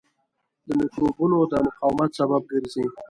د مکروبونو د مقاومت سبب ګرځي.